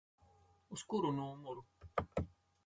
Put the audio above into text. Uz kuru numuru?